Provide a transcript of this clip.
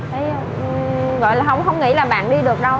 đấy gọi là không nghĩ là bạn đi được đâu